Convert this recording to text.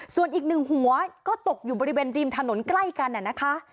ส่วนอีกหนึ่งหัวก็ตกอยู่บริเวณริมถนนใกล้กันนะคะ